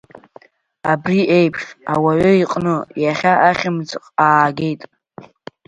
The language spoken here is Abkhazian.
Абри иеиԥш ауаҩы иҟны иахьа ахьмыӡӷ аагеит…